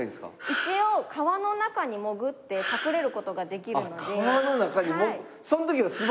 一応川の中に潜って隠れる事ができるのであっ川の中に潜る。